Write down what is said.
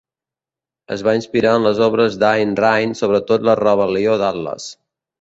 Es va inspirar en les obres d'Ayn Rand, sobretot "La rebel·lió d'Atles".